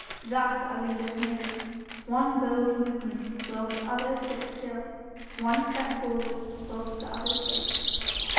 Thus are leaders made one bold movement whilst others sit still, one step forward whilst the others wait.